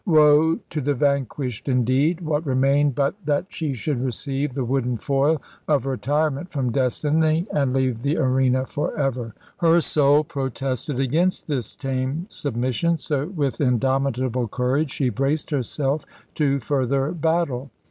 Woe to the vanquished indeed! What remained but that she should receive the wooden foil of retirement from Destiny and leave the arena for ever. Her soul protested against this tame submission, so with indomitable courage she braced herself to further battle.